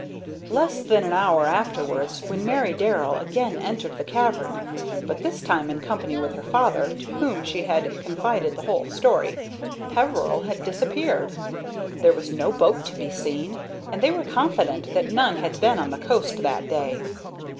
Less than an hour afterwards, when Mary Darrell again entered the cavern, but this time in company with her father, to whom she had confided the whole story, Peveril had disappeared. There was no boat to be seen, and they were confident that none had been on the coast that day.